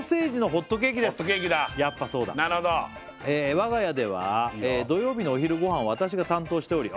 ホットケーキだやっぱそうだなるほど「我が家では土曜日のお昼ごはんは私が担当しており」